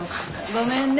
ごめんね。